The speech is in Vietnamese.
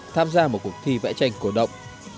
tham gia một cuộc thi vẽ tranh cổ động